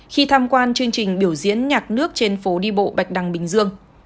khi tham quan chương trình biểu diễn nhạc nước trên phố đi bộ bạch đằng bình dương